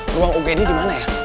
ruang ugd dimana ya